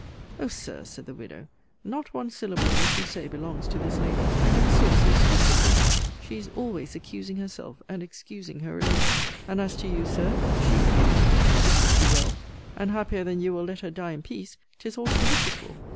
O Sir, said the widow, not one syllable of what you say belongs to this lady. I never saw so sweet a temper! she is always accusing herself, and excusing her relations. And, as to you, Sir, she forgives you: she wishes you well; and happier than you will let her die in peace? 'tis all she wishes for.